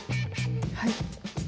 はい。